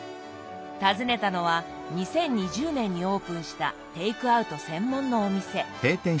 訪ねたのは２０２０年にオープンしたテイクアウト専門のお店。